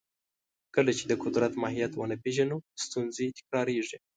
کله چې د قدرت ماهیت ونه پېژنو، ستونزې تکراریږي.